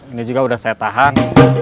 ini juga udah saya tahan